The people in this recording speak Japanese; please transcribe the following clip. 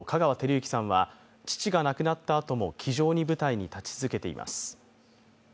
長男の市川中車こと香川照之さんは、父が亡くなったあとも気丈に舞台に立ち続けています。